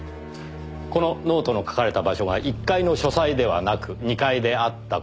このノートの書かれた場所が１階の書斎ではなく２階であった事。